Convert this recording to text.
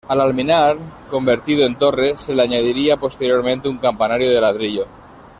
Al alminar, convertido en torre, se le añadiría posteriormente un campanario de ladrillo.